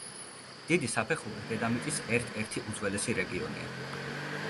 დიდი საფეხური დედამიწის ერთ-ერთი უძველესი რეგიონია.